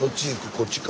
こっちか。